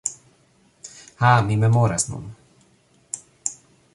Ha, mi memoras nun.